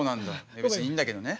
別にいいんだけどね。